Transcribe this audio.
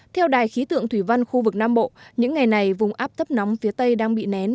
theo đài khí tượng thủy văn khu vực nam bộ những ngày này vùng áp thấp nóng phía tây đang bị nén